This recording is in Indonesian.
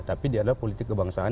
tapi dia adalah politik kebangsaan